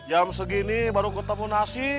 jam segini baru ketemu nasi